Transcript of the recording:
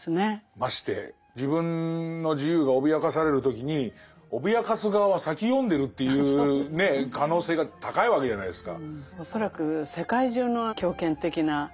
まして自分の自由が脅かされる時に脅かす側は先読んでるっていうね可能性が高いわけじゃないですか。